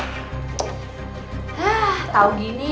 hah tau gini